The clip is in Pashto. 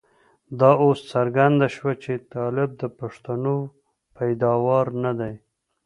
دا اوس څرګنده شوه چې طالب د پښتنو پيداوار نه دی.